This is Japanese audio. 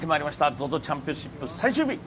ＺＯＺＯチャンピオンシップ最終日。